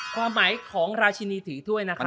ความหมายของราชินีถือถ้วยนะครับ